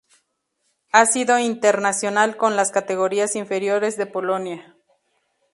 Ha sido internacional con las categorías inferiores de Polonia.